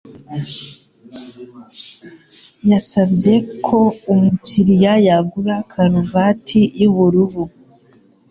Yasabye ko umukiriya yagura karuvati yubururu.